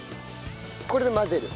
これで混ぜる？